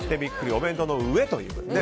お弁当の上というね。